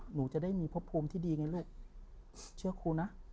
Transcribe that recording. หนูจะได้มีพบภูมิที่ดีไงลูกเชื่อครูนะ